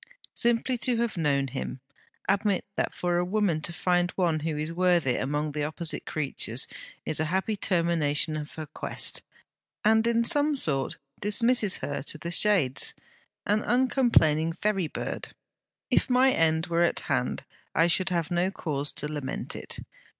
Simply to have known him! Admit that for a woman to find one who is worthy among the opposite creatures, is a happy termination of her quest, and in some sort dismisses her to the Shades, an uncomplaining ferry bird. If my end were at hand I should have no cause to lament it.